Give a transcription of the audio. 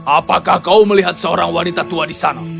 apakah kau melihat seorang wanita tua di sana